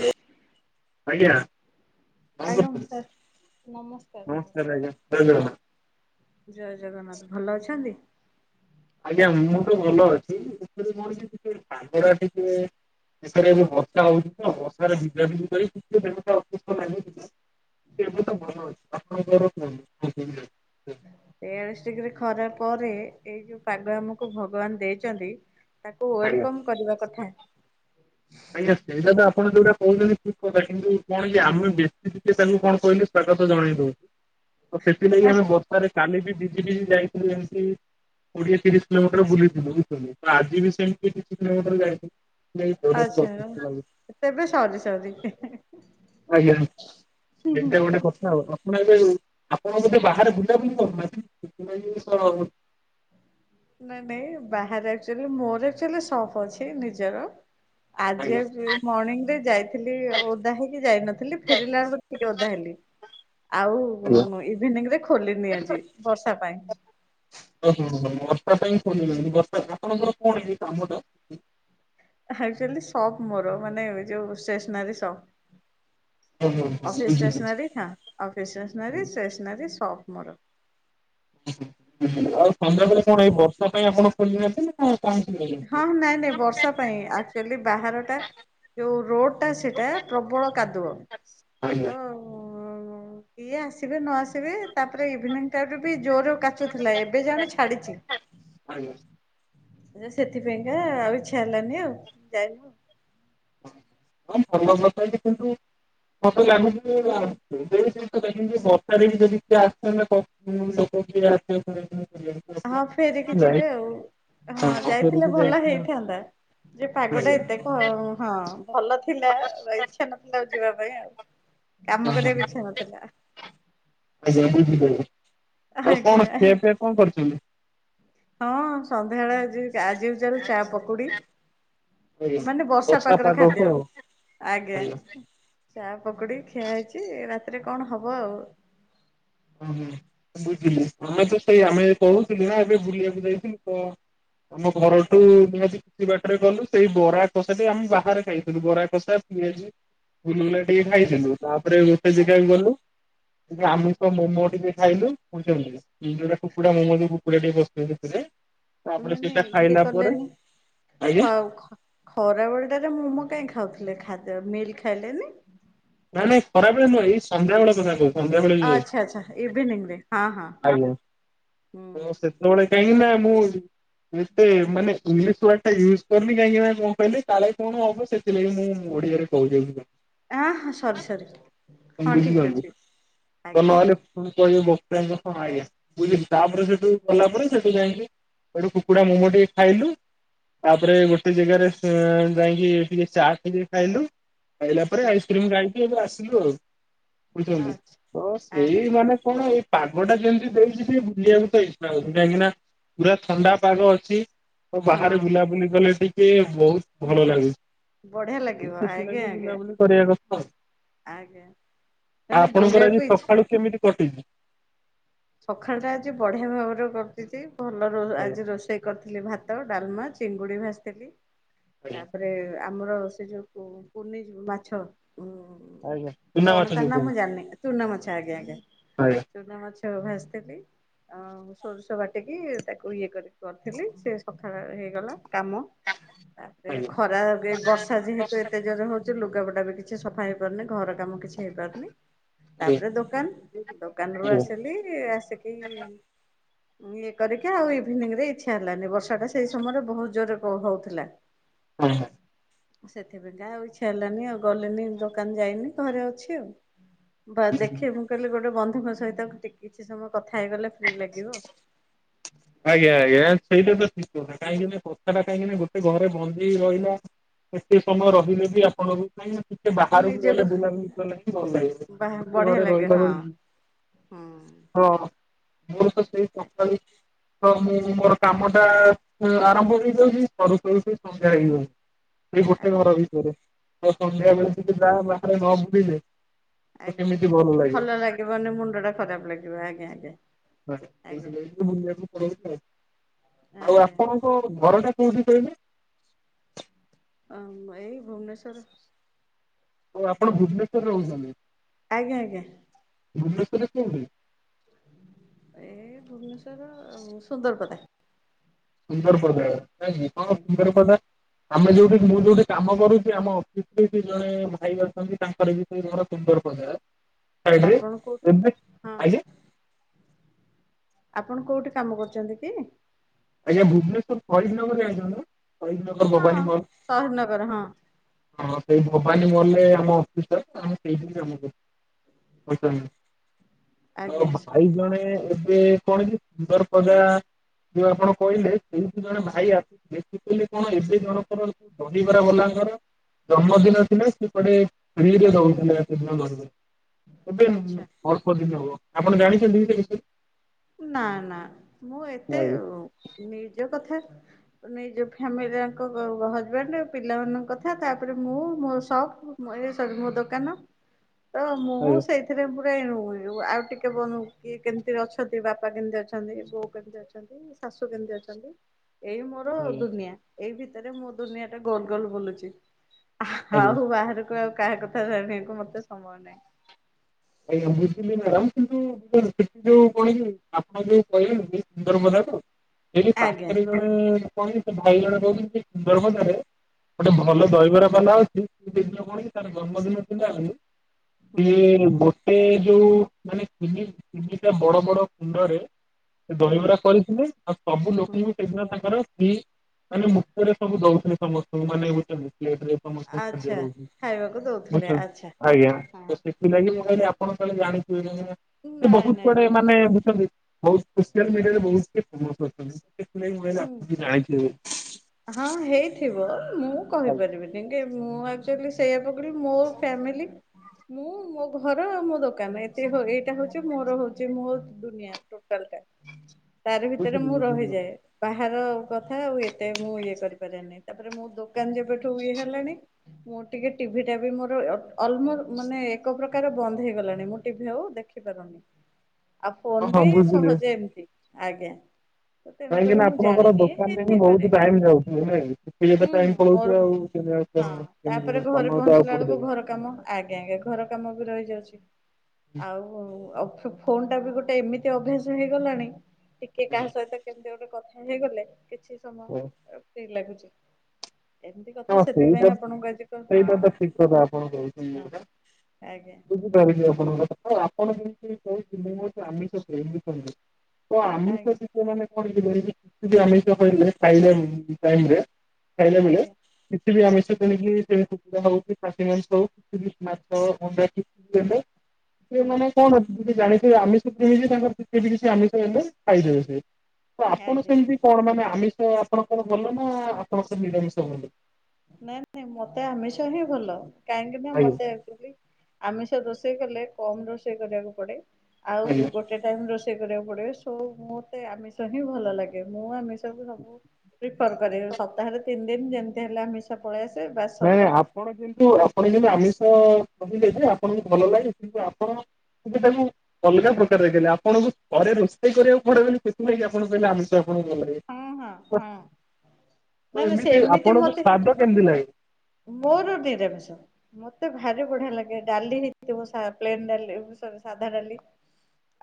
Hello ଆଜ୍ଞା। ଆଜ୍ଞା sir ନମସ୍କାର ଆଜ୍ଞା [unintelligible] ଜୟ ଜଗନ୍ନାଥ ଭଲ ଅଛନ୍ତି? ଆଜ୍ଞା ମୁଁ ତ ଭଲ ଅଛି [unintelligible] ପାଗ ଟା ଟିକେ ଦେରେ ଯୋଉ ବଷା ହଉଛି ତ ବର୍ଷାରେ ଭିଜା ଫି କର [unintelligible] ନାହିଁ [unintelligible] ତେୟାଳିଶ ଡିଗ୍ରୀ ଖରା ପରେ ଏଇ ଯୋଉ ପାଗ ଆମକୁ ଭଗବାନ ଦେଇଛନ୍ତି। ତାକୁ ଆଜ୍ଞା ୱଲକମ୍ କରିବା କଥା ଆଜ୍ଞା ସେଇଟା ତ ଆପଣ ଯୋଉଟା କହୁଛନ୍ତି ଠିକ୍ କଥା କିନ୍ତୁ କଣ ଯେ ଆମେ ବେଶୀ ତାଙ୍କୁ କଣ କହିଲେ ସ୍ୱାଗତ ଜଣେଇଦଉ। ତ ସେଥିଲାଗି ଆମେ ବର୍ଷାରେ କାଲି ବି ବିଜି ବିଜି ଯାଇଥିଲୁ ଏମତି କୋଡିଏ ତିରିଶ କିଲୋମିଟର ବୁଲିଥିଲୁ ବୁଝୁଥିଲୁ ତ ଆଜି ବି ସେମିତି ତିରିଶ କିଲୋମିଟର ଆଚ୍ଛା। ଯାଇଥିଲି। ତେବେ ସରି ସରି [unintelligible] ଆଜ୍ଞା ଏଟେ ଗୋଟେ କଥା ଆଉ ହଁ। ଆପଣ ଏବେ ଆପଣ ଗୋଧେ ବାହାରେ ବୁଲାବୁଲି କରୁନାହାନ୍ତି ଜିନିଷ ନାଇଁ ନାଇଁ ବାହାରେଚୁଆଲି ମୋରଚ ସଫ୍ ଅଛି ନିଜର ଆଜି ଆଜ୍ଞା ଆଉଚୁ। ମର୍ଣିଂ ରେ ଯାଇଥିଲି ଓଦା ହେଇକି ଯାଇନଥିଲି ଫେରିଲା ବେଳ ଟିକେ ଓଦା ହେଲି ଆଉ ଆଜ୍ଞା। ଇଭିନିଂ ରେ ଖୋଲିନି ଆଜି ବର୍ଷା ପାଇଁ। ଓହୋ ହୋ ବର୍ଷା ପାଇଁ ଶୁନ ବର୍ଷା ଆପଣଙ୍କର କଣ ଏ କାମ ଟା। ଆଚୁଆଲି ସପ୍ ମୋର ମାନେ ଏ ଯୋଉ ଷ୍ଟେସନାରୀ ସପ୍ ଓ ହୋ ହୋ ଅଫିସ୍ ବୁଝିଲି। ଷ୍ଟେସନାରୀ ଖଁ ଅଫିସ୍ ଷ୍ଟେସନାର ଷ୍ଟେସନାର ଶପ୍ ମୋର। ଆଉ ସନ୍ଧ୍ୟାବେଳେ କଣ ଏ ବର୍ଷା ପାଇଁ ଆପଣ ଖୋଲି ନଥିଲେ। ନା ହଁ କଣ [unintelligible] ହଁ ନାଇଁ ନାଇଁ ବର୍ଷା ପାଇଁ ଆକ୍ଚୁଆଲି ବାହାର ଟା ଯଉ ରୋଡ ଟା ସେଇଟା ପ୍ରବଳ କାଦୁଅ ଆଜ୍ଞା! ଓ ଇଏ ଆସିବେ ନ ଆସିବେ ତାପରେ ଇଭିନିଂ ଟାଇମ ରେ ବି ଜୋର କାଚୁଥିଲା ଏବେ ଜାଣ ଛାଡିଛି। ଆଜ୍ଞା! ସେଥିପାଇଁକା ଆଉ ଇଚ୍ଛା ହେଲାନି ଆଉ ଯାଇନୁ। [unintelligible] କିନ୍ତୁ ମତେ ଲାଗୁଛି ଜିନିଷ ଲ ବର୍ଷାରେ ବି ଯଦି କିଏ [unintelligible] [unintelligible] ହଁ ଫେରିକି ନାଇଁ ଯିବେ ଆଉ ହଁ ଯାଇଥିଲେ ଧରିକି ଭଲ ଯାଇଛୁ ଆଉ। ହେଇଥାନ୍ତା। ଯେ ପାଗଟା ଆଜ୍ଞା ଏତେ ହ ହଁ ଭଲ ଥିଲା ଇଚଛା ନଥିଲା ଆଉ ଯିବା ପାଇଁ ଆଉ ହଁ କାମ କ ହଁ ଇଛା ନଥିଲା। ଆଜ୍ଞା ବୁଝିପାଇଲି ଆଜ୍ଞା କଣ ଖିଆ ପିଆ କଣ କରିଛନ୍ତି? ହଁ ସନ୍ଧ୍ୟା ବଳେ ଆଜି ଆଜିକୁ ଚାଲ ଚା ପକୁଡି ଆଜ୍ଞା ମାନେ ବର୍ଷା ପାଗର ଖାଦ୍ୟ ପାଗକୁ ଆଉ ଆଜ୍ଞା ଚା ପକୁଡି ଖିଆ ହେଇଛି ରାତିରେ କଣ ହବ ଆଉ। ଓହୋ ବୁଝିଲି ଆମେ ତ ସେଇ ଆମେ କହୁଥିଲୁ ନା ଏବେ ବୁଲିବାକୁ ଯାଇଥିଲୁ ତ ଆମ ଘରଠୁ ନିହାତି କିଛି ବାଟରେ ଗଲୁ ସେଇ ବରା କଷାଟେ ଆମେ ବାହାରେ ଖାଇଥିଲୁ ବରା କଷା ପିଆଜି। ଗୁଲୁଗୁଲା ଟିକେ ଆଚ୍ଛା ଖାଇଥିଲୁ ତାପରେ ଗୋଟେ ଯାଗାକୁ ଗଲୁ ଆମ ତ ମୋମୋ ଟିକେ ଖାଇଲୁ ବୁଝୁଛନ୍ତି ଯୋଉଟା କୁକୁଡ଼ା ମୋମୋ ଯୋଉ କୁକୁାଡା ଟିକେ ପଶିଥିବ ସେଥିରେ ଇଏ ତାପରେ ମାନେ ସେଇଟା ଇଏ ଖାଇଲା ପରେ କଲେନି ଆଜ୍ଞା ଖ ଖ ଖରାବେଳଟାରେ ମୋମୋ କାଇଁ ଖାଉଥିଲେ ଖାଦ୍ୟ ମିଲ୍ ଖାଇଲେନି ନାଁ ନାଁ ଖରାବେଳେ ନୁହଁ ଏଇ ସନ୍ଧ୍ୟାବେଳ କଥା କହୁଛି। ସନ୍ଧ୍ୟାବେଳେ ଯୋଉ ଆଚ୍ଛା ଯାଇଥିଲି ଆଚ୍ଛା ଇଭିନିଂରେ ହଁ ହଁ ହୁଁ। ଆଜ୍ଞା ସେତେବେଳେ କାହିଁକି ନା ମୁଁ ଏତେ ମାନେ ଇଂଲିଶ ୱାର୍ଡଟା ୟୁଜ୍ କରୁନି କାହିଁକି ନା କଣ କହିଲେ କାଳେ କଣ ହବ ସେଥିଲାଗି ମୁଁ ଓଡିଆରେ କହୁଛି ଅଧିକା। ଆ ହଁ ସରି ସରି ହଁ ଠିକ ଅଛି ଆଜ୍ଞା। ମୁଁ କହିବି ବକ୍ତାଙ୍କ ହଁ ଆଜ୍ଞା ବୁଝିଲି ତାପରେ ସେଠୁ ଗଲା ପରେ ସେଠୁ ଯାଇକି ସେଠି କୁକୁଡା ମୋମୋ ଟିକେ ଖାଇଲୁ। ତାପରେ ଗୋଟେ ଯେଗାରେ ଏଁ ଯାଇକି ଟିକେ ଚାଟ୍ ଖାଇଲୁ। ଖାଇଲା ପରେ ହୁଁ ଆଇସ୍କ୍ରିମ ଖାଇକି ଏବେ ଆସିଲୁ ଆଉ ବୁଝୁଚନ୍ତି ଆଚ୍ଛା ହଁ ସେଇମାନେ କଣ ଏ ପାଗଟା ଯେମତି ଦେଇଛି ଟିକେ ବୁଲିବାକୁ ତ ଇଛା ହଉଛି କାହିଁକି ନା ପୁରା ଥଣ୍ଡା ପାଗ ଅଛି। ହଁ ବାହାରେ ବୁଲାବୁଲି କଲେ ଟିକେ ବହୁତ୍‌ ଭଲ ଲାଗୁଛି। ବଢିଆ ଲାଗିବ ସେଥିଲାଗି ଆଜ୍ଞା ଆଜ୍ଞା। ବୁଲାବୁଲି କରିବା କଥା ଆଉ ଆଜ୍ଞା ଆଉ ମାନେ ଆପଣଙ୍କର ଆଜି ବୁଲିବାକୁ ଇଚ୍ଛା ସଖାଳୁ କେମିତି କଟିଛି? ସଖାଳଟା ଆଜି ବଢିଆ ଭାବରେ କଟିଛି ଭଲ ରୋଅ ଆଜ୍ଞା ଆଜି ରୋଷେଇ କରିଥିଲି ଭାତ ଡାଲ୍‌ମା ଚିଙ୍ଗୁଡ଼ି ଭାଜିଥିଲି ଆଜ୍ଞା ତାପରେ ଆମର ସେ ଯୋଉ କୁ କୁନିଜ ମାଛ ଉଁ ଆଜ୍ଞା ଚୁନା କଣ ମାଛ ତା ଯୋଉ ନା ମୁଁ କୁହନ୍ତି ଜାଣିନି। ଚୁନା ମାଛ ଆଜ୍ଞା ଆଜ୍ଞା। [inaudible] ଚୁନା ମାଛ ଭାଜିଥିଲି। ଅଁ ସୋରିଷ ବାଟିକି ତାକୁ ଇଏ କରିକି କରିଥିଲି ସେ ସଖାଳ ହେଇଗଲା କାମ। ତାପରେ ଆଜ୍ଞା ଖରା ଏ ବର୍ଷା ଯେହେତୁ ଏତେ ଜୋରେ ହଉଚି। କିଛି ଲୁଗାପଟା ବି କିଛି ସଫା ହେଇପାରୁନି ଘର କାମ କିଛି ହେଇପାରୁନି। ଆଜ୍ଞା ତାପରେ ଦୋକାନ୍ ଦୋକାନ୍ ରୁୁ ହଁ ହଁ। ଆସି ଲି ଆସିକି ଇଏ କରିକି ଆଉ ଇଭିନିଙ୍ଗରେ ଇଛା ହେଲାନି ବସି ତାପରେ ସେଇ ସମୟରେ ବହୁତ୍‌ ଜୋରେ କଣ ହଉଥିଲା? ଅହ। ସେଥିପାଇଁକା ଆଉ ଇଚ୍ଛା ହେଲାନି ଆଉ ଗଲିନି ଦୋକାନ୍ ଯାଇନି ଘରେ ଅଛି ଆଉ ବା ଦେଖେ ମୁଁ କହିଲି ଗୋଟେ ବନ୍ଧୁଙ୍କ ସହିତ ଟିକେ କିଛି ସମୟ କଥା ହେଇଗଲେ ଫ୍ରି ଲାଗିବ। ଆଜ୍ଞା ଆଜ୍ଞା ସେଇଟା ତ ଠିକ କାହିଁକି ନା କଥାଟା କାହିଁକିନା ଗୋଟେ ଘରେ ବନ୍ଦୀ ହେଇ ରହିଲା। ଏତେ ସମୟ ରହିଲେ ବି ଆପଣଙ୍କୁ ଟିକେ ବାହାରକୁ ନିଜକୁ ଗଲେ ବୁଲାବୁଲି କଲେ ଭଲ ଲାଗିବ ବା ଗୋଟେ ବଢିଆ ଘରେ ଲାଗେ ରହିଲା ହଁ ବେଳୁକୁ ହୁଁ। ହଁ ମୋର ତ ସେଇ ସକାଳୁ ହଁ ମୁଁ ମୋର କାମଟା ଉଁ ଆରମ୍ଭ ହେଇଯାଉଛି ସରୁ ସରୁ ସେଇ ସନ୍ଧ୍ୟା ହେଇଯାଉଚି। ସେଇ ଗୋଟେ ଆଜ୍ଞା ଘର ଭିତରେ ତ ସନ୍ଧ୍ୟା ଆଜ୍ଞା। ବେଳେ ଟିକେ ଯା ବାହାରେ ନ ବୁଲିଲେ। ତ ଆଜ୍ଞା କେମିତି ଲାଗିବ। ଭଲ ଲାଗିବନି ମୁଣ୍ଡଟା ଖରାପ ଲାଗିବ ଆଜ୍ଞା ଆଜ୍ଞା ଆଜ୍ଞା। ଟିକେ ବୁଲିଆକୁ ପଳଉଚୁ ଆଉ ଆଉ ଆଜ୍ଞା। ଆପଣଙ୍କ ଘରଟା କୋଉଠି କହିଲେ? ଆ ମ୍ ଏଇ ଭୁବନେଶ୍ଵର। ଓ ଆପଣ ଭୁବନେଶ୍ୱରରେ ରହୁଛନ୍ତି। ଆଜ୍ଞା ଆଜ୍ଞା। ଭୁବନେଶ୍ୱରରେ କୋଉଠି? ଏ ଭୁବନେଶ୍ୱରର ସୁନ୍ଦରପଦା। ସୁନ୍ଦରପଦା କାଇଁକି କଣ ଆଜ୍ଞା ସୁନ୍ଦରପଦା? ଆମେ ଯୋଉଠି ମୁଁ ଯୋଉଠି କାମ କରୁଛି ଆମ ଅଫିସରେ ବି ଜଣେ ଭାଇ ଅଛନ୍ତି ତାଙ୍କର ବି ସେଇ ଘର ସୁନ୍ଦରପଦା। ସାଇଡ ରେ ଆପଣ କୋଉଠି ଏବେ ହଁ ଆଜ୍ଞା ଆପଣ କୋଉଠି କାମ କରୁଚନ୍ତି କି ଆଜ୍ଞା ଭୁବନେଶ୍ଵର ଫରିଦ୍ ନଗର ଜାଣିଛନ୍ତି ନା ଫରିଦନଗର ହଁ ଭବାନୀ ମଲ ସହିଦନଗର ହଁ ହଁ ସେଇ ଭବାନୀ ମହଲରେ ଆମେ ଅଫିସ୍ ଟା ଆମେ ସେଇଠି କାମ କରୁଛୁ ଅଚାନକ ତ ଆଜ୍ଞା ଭାଇ ସରି ଜଣେ ଏବେ କଣ କି ସୁନ୍ଦରପଦା ଯୋଉ ଆପଣ କଇଲେ ଏଇଠି ଜଣେ ଭାଇ ଆସିଥିଲେ ସେ କହିଲ କଣ ଏବେ ଜଣଙ୍କର ଦହିବରା ବଲାଙ୍କର ଜନ୍ମଦିନ ଥିଲା ସିଆକୁଆଡେ ଫ୍ରିରେ ଦଉଥିଲେ ସେଦିନ ଧରଥିଲେ ଦହିବରା ଏବେ ଆଚ୍ଛା ଅଳ୍ପ ଦିନ ହବ ଆପଣ ଜାଣିଛନ୍ତି କି ସେବିଷୟରେ ନା ନା ମୁଁ ଏତେ ଆଜ୍ଞା ନିର୍ଜ କଥା ନିଜ ଫ୍ୟାମିଲିଆଙ୍କ ହଜବେଣ୍ଡ ପିଲାମାନଙ୍କ କଥା ତାପରେ ମୁଁ ମୋ ସକ୍‌ ମୁଁ ଏ ସ ମୋ ଦୋକାନ ହ ତ ମୁଁ ସେଇଥିରେ ପୁରା ଏଣୁ ଆଉ ଟିକେ ବନ କି କେମିତି ଅଛ ଅଛନ୍ତି ବାପା କେମିତି ଅଛନ୍ତି ବୋଉ କେମିତି ଅଛନ୍ତି ଶାଶୁ କେମିତି ଅଛନ୍ତି ଏଇ ମୋର ଆଜ୍ଞା। ଦୁନିଆ ଏଇ ଭିତରେ ମୁୋ ଦୁନିଆ ଟା ଗୋଲ ଗୋଲ ବୁଲୁଛି ଆଜ୍ଞା ଆଉ ବାହାରକୁ ଆଉ କାହା କଥା ଜାଣିବାକୁ ମତେ ସମୟ ନାହିଁ ଆଜ୍ଞା ବୁଝିଲି ମ୍ୟାଡାମ କିନ୍ତୁ ସେଠି ଯୋଉ କଣ କି ଆପଣ ଯୋଉ କହିଲେ ସୁନ୍ଦର କଥାକୁ ହେ ପାାତ ଆଜ୍ଞା ଚାରି ଜଣ କଣ ଭାଇ ଜଣ ରହୁଛନ୍ତି ସୁନ୍ଦର ହଜାରେ ଗୋଟେ ହୁଁ ଭଲ ଦହିବରା ପା ଅଛି ଦେଇ କଣ କି ତାର ଜନ୍ମଦିନ ହୁଁ ଇଏ ଗୋଟେ ଯୋଉ ମାନେ ତିନି ତିନିଟା ବଡ ବଡ କୁଣ୍ଡରେ ସେ ହୁଁ ଦହିବରା କରିଥିଲେ ଆଉ ସବୁ ହୁଁ ଲୋକ ହ ସେଦିନ ତାଙ୍କର ସ୍ତ୍ରୀ ମାନେ ମୁଖରେ ସବୁ ଦଉଥିଲେ ସମସ୍ତଙ୍କୁ ମାନେ ଗୋଟେ ମୁ ଆଚ୍ଛା ଖାଇବାକୁ ଦଉଥିଲେ ଆଚ୍ଛା ଆଜ୍ଞା ବିଲା ମୁଁ କହିଲି ଆପଣଙ୍କ କଳେ ଜାଣିଥିବେ ହଁ ସେ ନାଇଁ ବହୁତ ନାଇଁ କୁଡେ ନାଇଁ ମାନେ ବୁଝଛନ୍ତି ବହୁତ ସୋଲ ମିଡିଆରେ ବହୁତ କେ ହୁଁ ଫେମସଣ ଯାଛ ହଁ ହେଇଥିବ ମୁଁ ଆଜ୍ଞା କହିପାରିବିନିନି କି ମୁଁ ଆ ସେଇଆ ପକ ମୋ ଫ୍ୟାମିଲି ମୁଁ ମୋ ଘର ଆଉ ମୋ ଦୋକାନ ଦୋକାନ ଏତ ଏଇଟା ହଉଛି ମୋର ହଉଚଛି ମୋ ଦୁନିଆ ଟୋଟାଲ ଟା ତାର ଭିତରେ ବୁଝିଲି ମୁଁ ବୁଝିଲି ରହିଯାଏ ବାହାର କଥା ଆଉ ମେ ମୁଁ ଇଏ କରିପାରିନି ତାପରେ ମୋ ଦୋକାନ ଯେବେଠୁ ଇଏ ହେଲାଣି ମୁଁ ଟିକେ ଟିଭି ଟା ବି ମୋର ଅଲମୋଷ୍ଟ ମାନେ ଏକ ପ୍ରକାର ବନ୍ଦ ହେଇଗଲାଣିୋ ଟିଭି ହଉ ଦେଖିପାରୁନି ଆଉ ହଁ ଫୋନ ହଁ ବି ବୁଝିଲି। ସହଜେ ଏମିତି ଆଜ୍ଞା ତ କାହିଁକି ତେଣୁକରି ନା ମୁଁ ଆପଣଙ୍କର ଜାଣିନି ଦୋକାନରେ ହଁ ହେଇଥାଇପାରେ ବହୁତ ଟାଇମ ଯାଉଛି ନ ଯେତେ ହୁଁ ଟାଇ ହୁଁ ପଳଉଛି ମୋର ଆଉଁମତି ହଁ ସମୟ ତ ଆଉ କୋଠି ଦେେବେ ଆଜ୍ଞା ଆଜ୍ଞା ଘର କାମ ବି ରହିଯାଉଛି ଆଉ ଆଉ ଫୋନ ଟା ବି ଗୋଟେ ଏମିତି ଅଭ୍ୟାସ ହେଇଗଲାଣି ଟିକେ କାହା ସହିତ କେମିତି ଗୋଟେ କଥା ହେଇଗଲେ କିଛି ସମୟ ଠିକ ଲାଗୁଛି ଏମିତି କଥା ହଁ ସେଥିପାଇଁ ସେଇଟା ଆପଣଙ୍କୁ ଆଜି କ ହଁ ସେଇଟା ତ ଠିକ କଥା ହଁ ଆଜ୍ଞା ଝ ଆପଣଙ୍କ କଥା ଆପଣ ଯେମିତି କହୁ ମୁଁଉଛି ଆମିଷ ତ ଆଜ୍ଞା ଆମିଷ ସେ ମାନେ କଥିଲେ ଆମିଷ କହିଲେ ଖାଇାଇରେ ଖାଇଲେ ମିଳେ ଆଜ୍ଞା କିଛି ବି ହୁଁ ଆମିଷ ତେଣିକି ା ହଉ କି ସାଷୀ ମାଂସ ହଉ କିଛି ମାଛ ଅଣ୍ଡା କିଛି ହୁଁ ମାନେ କଣ ଅ ଜାଣିଥିବେ ଆମିଷ କେମିତି ତାଙ୍କର ଟେ ବି କିଛି ଆମିଷ ହେଲେ ପାଇଦେବେ ସେ ତ ଆପଣ ଆଜ୍ଞା। ସେମିତି କଣ ମାନେ ଆମିଷ ଆପଣ କଣ ଗଲ ନା ଆପଣଙ୍କ ନିରାମିଷ ହଲୁ ନାଇଁ ନାଇଁ ମତେ ଆମିଷ ହିଁ ଭଲ କାହିଁକି ନା ଆଜ୍ଞା ମତେଚୁଲି ଆମିଷ ରୋଷେଇ କଲେ କମ ରୋଷେଇ କରିବାକୁ ପଡେ ଆଉ ଆଜ୍ଞା। ଗୋଟେ ଗୋଟେ ଟାଇମ୍ ରୋଷେଇ କରିବାକୁ ପଡ଼େ ସୋ ମୋତେ ଆମିଷ ହିଁ ଭଲ ଲାଗେ ମୁଁ ଆମିଷକୁ ସବୁ ପ୍ରିଫର କର ସପ୍ତାହରେ ତିନି ଦିନ ଯେମିତି ହେଲେ ଆମିଷ ପଳେଇ ଆସେ ବାସ ନାଇଁ ନାଇଁ ସରିଲା ଆପଣ ଯେନ୍ତୁ ଆପଣ ଯେମତି ଆମିଷ କହିଲେ ଯେ ଆପଣଙ୍କୁ ଭଲ ଲାଗେ କିନ୍ତୁ ଆପଣ କିନ୍ତୁ ତାକୁ ଅଲଗା ପ୍ରକାର ଦେଖିଲେ ଆପଣଙ୍କୁ ଘରେ ରୋଷେଇ କରିବାକୁ ପଡିବନି ସେଥିପାଇଁ ଆଣ କହିଲେ ଆମେ ତ ଆପଣଙ୍କୁଲ ହଁ ହଁ ହଁ ନାଇଁ ନାଇଁ ଏମିତି ସେମିତି ଆପଣଙ୍କ ମତେ ସ୍ଵାଦ କେମିତି ଲାଗଛି? ମୋର ଦିଇଦବେେଶ ମତେ ଭାରି ବଢିଆ ଲାଗେ ଡାଲି ହେଇଥିବ ପ ଡା ସାଧା ଡାଲି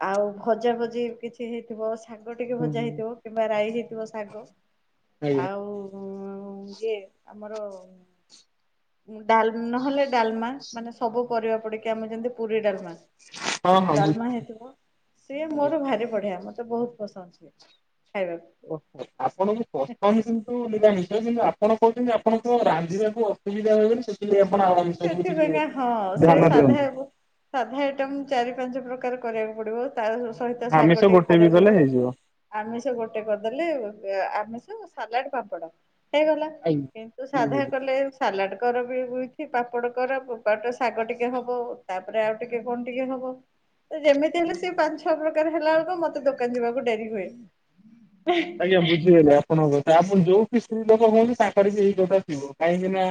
ଆଉ ଭଜା ଭଜି କିଛି ସେ ହେଇଥିବ ଶଙ୍ଗ ଟିକେ ହୁଁ ଭଜା ହୁଁ। ହେଇଥିବ କିମ୍ବା ରାଇ ହେଇଥିବ ଶାଗ ଆଜ୍ଞା ଆଉ ଇଏ ଆମର ଡା ନହେଲେ ଡାଲମା ମାନେ ସବୁ ପରିବା ପଡିକି ଆମେ ଯେମିତି ପୁରୀ ଡାଲମା ହଁ ହଁ ଡାଲମା ବୁଝିଲି। ହେଇଥିବ ସିଏ ଆଜ୍ଞା। ମୋର ଭାରି ବଢିଆ ମତେ ବହୁତ ବସଛି ଖାଇବାକୁ ଓହୋ ଆପଣଙ୍କୁ ସଷ୍ଟନ କିନ୍ତୁ ନିିଲାମିଷ କିନ୍ତୁ ଆପଣ କହୁଛନ୍ତି ଆପଣ ତ ରାନ୍ଧିବାକୁ [inaudible] ତମି ଦେହ ବୋଲି [inaudible] କେେପଣ [inaudible] ସେଥିପାଇଁକା ହଁ ସେ ସାଧା ହେବ। ସାଧା ଆଇଟମ ଚାରି ପାଞ୍ଚ ପ୍ରକାର କରିବାକୁ ପଡିବ ତା ସହିତ ଆମିଷ ଶାଗ ଟିକେ ଗୋଟେ ବି କରିବାକୁ କଲେ ପଡିବ। ହେଇଯିବ। ଆମିଷ ଗୋଟେ କରିଦେଲେ ଆମିଷ ସାଲାଡ ପାପଡ଼। ହେଇଗଲା ଆଜ୍ଞା କିନ୍ତୁ ସାଧା ବୁଝିଗଲି। କଲେ ସାଲାଡ କର ବି ହଇ ପାପଡ଼ କର ଶାଗ ଟିକେ ହବ ତାପରେ ଆଉ ଟିକେ କଣ ଟିକେ ହବ। ଯେମିତି ହେଲେ ସେ ପାଞ୍ଚ ଛଅ ପ୍ରକାର ହେଲା ବେଳକୁ ମତେ ଦୋକାନ ଯିବାକୁ ଡେରି ହୁଏ ଆଜ୍ଞା ବୁଝିଗଲେ ଆପଣଙ୍କ କଥା ଆପଣ ଯୋଉି ସ୍ତ୍ରୀ ଲୋକ କୁହନ୍ତି ତାଙ୍କର ବି ଏଇ କଥା ଥିବ କାହିଁକି ନା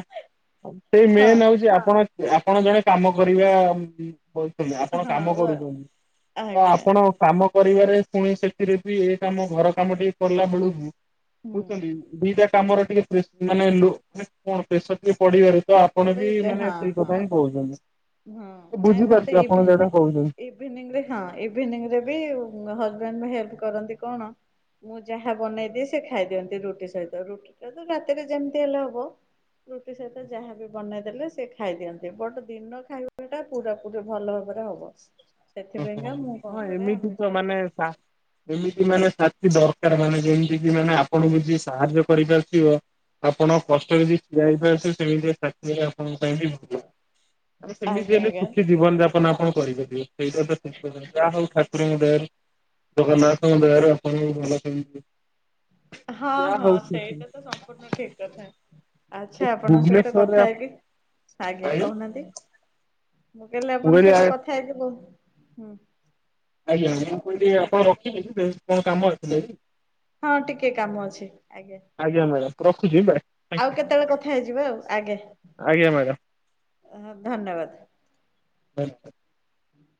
ସେଇ ହଁ ମେନ୍ ହଉଛି ଆପଣ ଆପଣ ଜଣେ କାମ କରିବା ବହୁଛନ୍ତି ଆପଣ ହଁ କାମ ଓ କରୁଛନ୍ତି ତ ଆଜ୍ଞା ଆପଣ କାମ କରିବାରେ ପୁଣି ସେଥିରେ ବି ଏ କାମ ଘର କାମ ଟିକେ କଲା ବେଳୁକୁ ହୁଁ କୁଛନ୍ତି ଦିଟା କାମର ଟିକେେ ମାନେ କଣ ପ୍ରେସର ଟିକେ ପଢିବାର [inaudible] ତ ଆପଣ ପଡେ ବି ଯେ ମାନେ ହଁ ସେଇ ହଁ। କଥା ହିଁ କହୁଛନ୍ତି ହଁ ତ ବୁଝିପାରୁଛୁ ଆପଣ ଯୋଉଟା କହୁଛନ୍ତି। ଇଭିନିରେ ହଁ ଇଭିନିରେ ବି ହଜବେଣ୍ଡ ହେଲ୍ପ କରନ୍ତି କଣ ମୁଁ ଯାହା ବନେଇଦିଏ ସେ ଖାଇଦିଅନ୍ତି ରୁଟି ସହିତ ରୁଟିଟା ତ ରାତିରେ ଯେମିତି ହେଲେ ହବ। ରୁଟି ସହିତ ଯାହାବ ବନେଇ ଦେଲେ ସେ ଖାଇଦିଅନ୍ତି ବଟ ଦିନ ଖାଇବାଟା ପୁରାପ ଭଲ ଭାବରେ ହବ। ଓହୋ ସେଥିପାଇଁକା ମୁଁ କଣ ହଁ କରେ ଏମିତି ଆମିଷ ତ ହୁଁ ମାନେ ଏମିତି ମାନେ ସାଥି ଦରକାର ମାନେ ଯେମିତି କି ମାନେ ହୁଁ ଆପଣଙ୍କୁ ସାହାଯ୍ୟ କରିପାରୁଥିବ ଆପଣ କଷ୍ଟ ଯଦି ଠିଆ ହେଇପାରୁଥିବେ ସେମିତି ଚାକିରି ଆପଣଙ୍କ ପାଇଁ ବି ଆ ଆଜ୍ଞା ସେମିତି ଆଜ୍ଞା ଶଖି [inaudible] ଜୀବନ ଯାପନ ଆପଣ କରିପାରିବେ ସେଇ ତ ଯାହା ହଉ ଠାକୁରଙ୍କ ଦେୟାରୁ। ତ ନାଁ ଖଙ୍ଗ ଦାରଣ ମ [inaudible] ହଁ ହଁ ସେଇଟା ତ ସମ୍ପୂର୍ଣ୍ଣ ଠିକ କଥା। ଆଚ୍ଛା ଆପଣଙ୍କ ସହିତ ଭୁବନେଶ୍ୱରରେ କଥା ହେଇକି ଆଜ୍ଞା କହୁନାହାନ୍ତି। ମୁଁ କହିଲେ ଆପଣଙ୍କ କହିଲି ଆ ସହିତ କଥା ହେଇଥିବ ହୁଁ ଆଜ୍ଞା ମୁଁ କହିଲି ଆପଣ ରଖିବେ କଣ କାମ ଅଛି। ହଁ ଟିକେ କାମ ଅଛି ଆଜ୍ଞା। ଆଜ୍ଞା ମ୍ୟାଡ଼ାମ ରଖୁଛି ବାଏ। ଆଉ କେତେବେଳେ କଥା ହେଇଯିବ ଆଜ୍ଞା ଆଜ୍ଞା ଧନ୍ୟବାଦ। ବଲ [inaudible] ହୁଁ [inaudible]